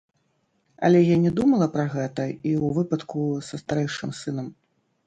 Але я не думала пра гэта і ў выпадку са старэйшым сынам.